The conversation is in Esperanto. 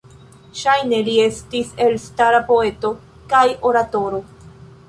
Ŝajne li estis elstara poeto kaj oratoro.